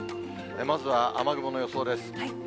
まずは雨雲の予想です。